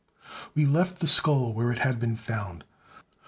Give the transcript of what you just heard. We left the skull where it had been found.